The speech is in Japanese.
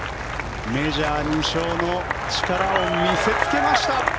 メジャー２勝の力を見せつけました。